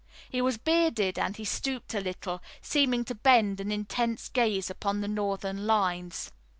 He was bearded and he stooped a little, seeming to bend an intense gaze upon the Northern lines.